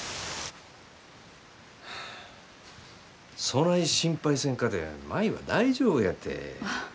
そない心配せんかて舞は大丈夫やて。